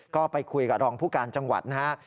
ก็ไปคุยกับรองผู้การจังหวัดนะฮะ